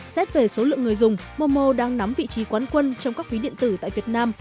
xét về số lượng người dùng momo đang nắm vị trí quán quân trong các phí điện tử tại việt nam